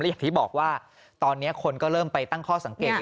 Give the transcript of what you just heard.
อย่างที่บอกว่าตอนนี้คนก็เริ่มไปตั้งข้อสังเกต